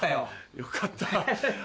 よかった。